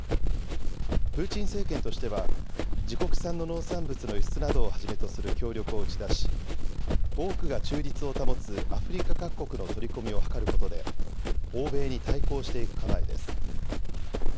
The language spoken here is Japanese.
プーチン政権としては、自国産の農産物の輸出などをはじめとする協力を打ち出し、多くが中立を保つアフリカ各国の取り込みを図ることで、欧米に対抗していく構えです。